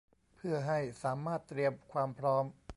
เพื่อให้สามารถเตรียมความพร้อม